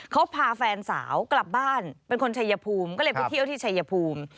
เขาพาแฟนสาวกลับบ้านเป็นคนชัยภูมิก็เลยไปเที่ยวที่ชายภูมิ